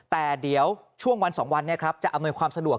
แต่เดี๋ยวช่วงวัน๒วันจะอำนวยความสะดวก